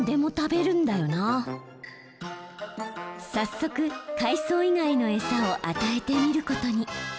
早速海藻以外の餌を与えてみることに。